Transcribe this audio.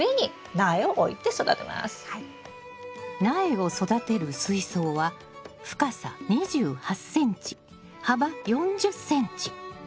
苗を育てる水槽は深さ２８ｃｍ幅４０ｃｍ。